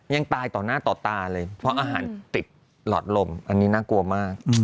ยังตายต่อหน้าต่อตาเลยเพราะอาหารติดหลอดลมอันนี้น่ากลัวมาก